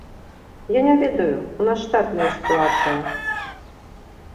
Я не ведаю, у нас штатная сітуацыя.